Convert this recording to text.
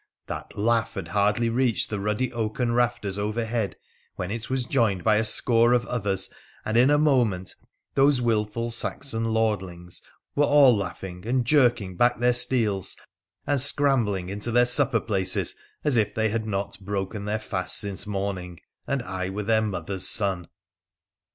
That laugh had hardly reached the ruddy oaken rafters over head when it was joined by a score of others, and in a moment those wilful Saxon lordhngs were all laughing and jerking back their steels, and scrambling into then: supper places as if they had not broken their fast since morning, and I were their mother's son.